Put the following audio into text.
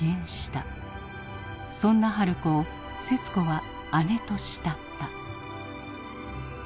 そんな春子を節子は姉と慕った。